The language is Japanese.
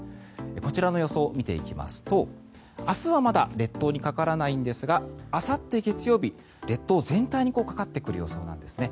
こちらの予想見ていきますと明日はまだ列島にかからないんですがあさって月曜日、列島全体にかかってくる予想なんですね。